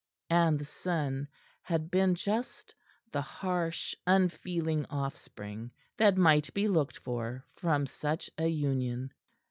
And the son had been just the harsh, unfeeling offspring that might be looked for from such a union.